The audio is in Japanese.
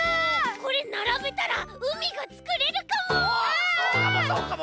これならべたらうみがつくれるかも！